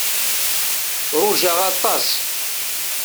Rujaɣ aṭas.